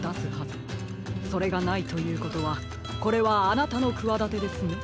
それがないということはこれはあなたのくわだてですね？